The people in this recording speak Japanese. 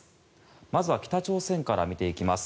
まずは北朝鮮から見ていきます。